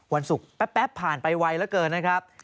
วันศุกร์แป๊บผ่านไปไวเหลือเกินนะครับ